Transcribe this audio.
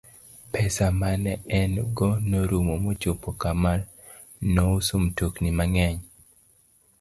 Pesa ma ne en go norumo mochopo kama nouso mtokni mang'eny.